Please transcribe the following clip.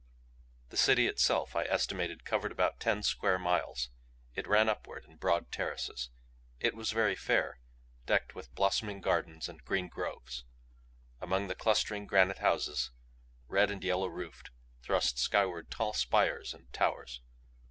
The city itself I estimated covered about ten square miles. It ran upward in broad terraces. It was very fair, decked with blossoming gardens and green groves. Among the clustering granite houses, red and yellow roofed, thrust skyward tall spires and towers.